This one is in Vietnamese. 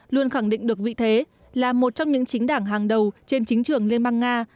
luôn khẳng định được vị thế là một trong những chính đảng hàng đầu trên chính trường liên bang nga